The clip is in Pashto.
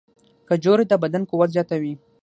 کجورې د بدن قوت زیاتوي.